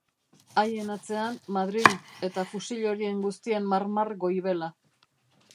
Haien atzean, Madril, eta fusil horien guztien marmar goibela.